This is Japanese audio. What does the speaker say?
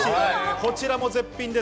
こちらも絶品です。